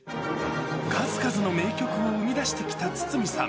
数々の名曲を生み出してきた筒美さん。